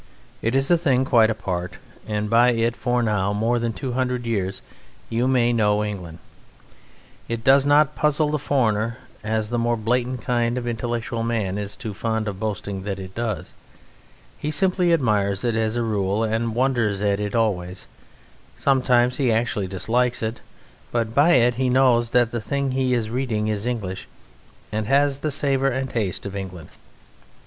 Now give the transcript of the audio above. It is a thing quite apart, and by it for now more than two hundred years you may know England. It does not puzzle the foreigner (as the more blatant kind of intellectual man is too fond of boasting that it does); he simply admires it as a rule and wonders at it always; sometimes he actually dislikes it, but by it he knows that the thing he is reading is English and has the savour and taste of England.